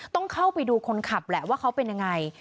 ต้องเข้าไปดูคนขับแหละว่าเขาเป็นยังไง